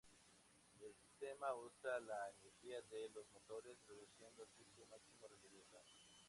El sistema usa la energía de los motores, reduciendo así su máximo rendimiento.